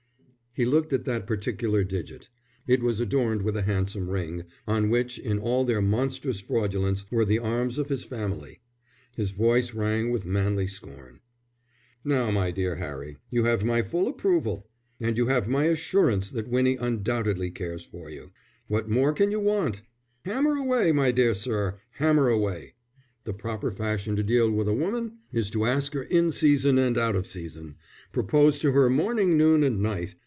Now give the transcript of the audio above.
He looked at that particular digit. It was adorned with a handsome ring, on which in all their monstrous fraudulence were the arms of his family. His voice rang with manly scorn. "No, my dear Harry, you have my full approval. And you have my assurance that Winnie undoubtedly cares for you. What more can you want? Hammer away, my dear sir, hammer away. The proper fashion to deal with a woman is to ask her in season and out of season. Propose to her morning, noon, and night.